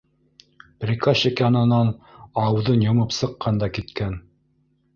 Приказчик янынан ауыҙын йомоп сыҡҡан да киткән.